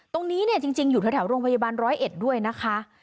ตรงนี้เนี่ยจริงอยู่แถวโรงพยาบาลร้อยเอ็ดด้วยนะคะ